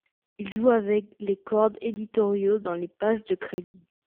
Il joue aussi avec les codes éditoriaux dans les pages de crédit.